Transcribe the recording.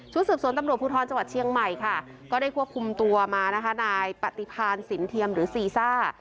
สืบสวนตำรวจภูทรจังหวัดเชียงใหม่ค่ะก็ได้ควบคุมตัวมานะคะนายปฏิพาณสินเทียมหรือซีซ่า